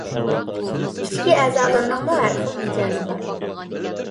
ئىچكى ئەزالارنىڭمۇ ھەر خىل مىجەزى بار.